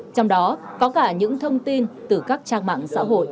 trong đó có cả những thông tin từ các trang mạng